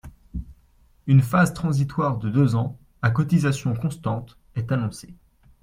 Une phase transitoire de deux ans, à cotisations constantes, est annoncée.